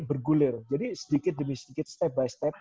bergulir jadi sedikit demi sedikit step by step